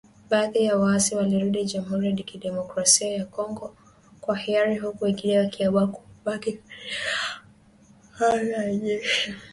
Baadhi ya waasi walirudi Jamhuri ya Kidemokrasia ya Kongo kwa hiari huku wengine wakiamua kubaki katika kambi ya jeshi la Uganda ya Bihanga, magharibi mwa Uganda